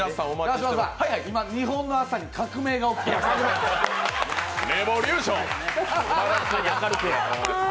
今、日本の朝に革命が起きています。